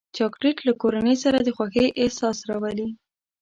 چاکلېټ له کورنۍ سره د خوښۍ احساس راولي.